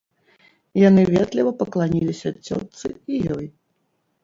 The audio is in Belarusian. Яны ветліва пакланіліся цётцы і ёй.